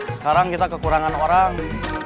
sekarang kita kekurangan orang